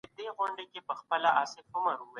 د غالب د دیوان خطي نسخه وموندل سوه.